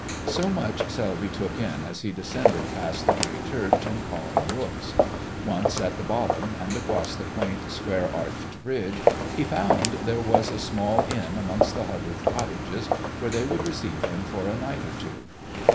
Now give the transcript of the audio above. So much Selby took in as he descended past the grey church and cawing rooks; once at the bottom and across the quaint, square arched bridge, he found there was a small inn amongst the huddled cottages, where they would receive him for a night or two.